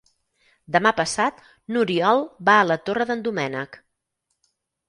Demà passat n'Oriol va a la Torre d'en Doménec.